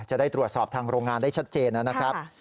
จะได้ตรวจสอบทางโรงงานได้ชัดเจนนะครับ